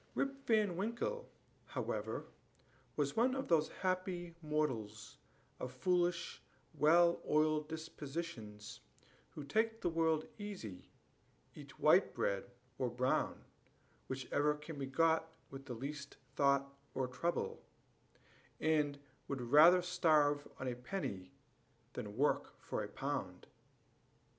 Rip Van Winkle, however, was one of those happy mortals, of foolish, well oiled dispositions, who take the world easy, eat white bread or brown, whichever can be got with least thought or trouble, and would rather starve on a penny than work for a pound.